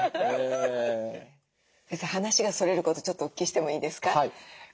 先生話がそれることちょっとお聞きしてもいいですか？